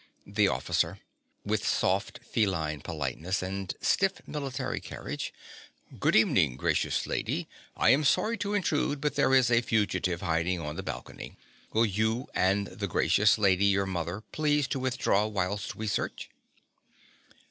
_) THE OFFICER. (with soft, feline politeness and stiff military carriage). Good evening, gracious lady; I am sorry to intrude, but there is a fugitive hiding on the balcony. Will you and the gracious lady your mother please to withdraw whilst we search?